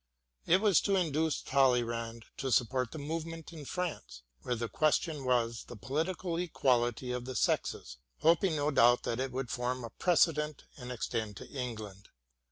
It was to induce Talleyrand to support the movement in France, where the question was the political equality of the sexes, hoping no doubt that it would form a precedent and extend to England.